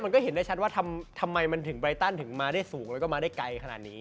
เห็นได้ชัดว่าทำไมมันถึงไรตันถึงมาได้สูงแล้วก็มาได้ไกลขนาดนี้